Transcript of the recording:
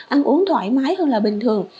ăn uống thoải mái hơn là bình thường